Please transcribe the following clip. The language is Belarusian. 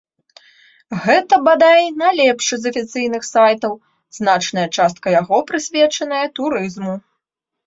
Гэта, бадай, найлепшы з афіцыйных сайтаў, значная частка яго прысвечаная турызму.